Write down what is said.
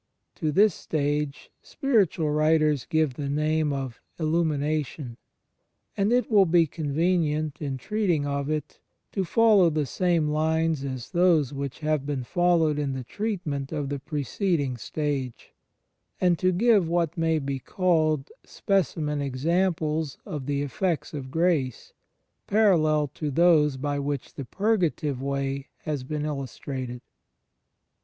To this stage spiritual writers give the name of Illumination; and it will be convenient, in treating of it, to follow the same lines as those which have been followed in the treatment of the preceding stage; and to give what may be called speci men examples of the effects of grace, parallel to those by which the Purgative Way has been illustrated.